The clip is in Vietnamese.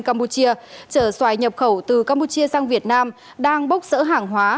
campuchia chở xoài nhập khẩu từ campuchia sang việt nam đang bốc rỡ hàng hóa